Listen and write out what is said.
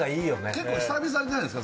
結構久々じゃないですか？